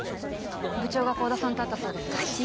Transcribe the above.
部長が香田さんと会ったそうです。